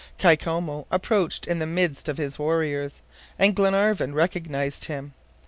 Kai Koumou approached in the midst of his warriors, and Glenarvan recognized him.